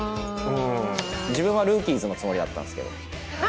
自分は『ＲＯＯＫＩＥＳ』のつもりだったんですけど。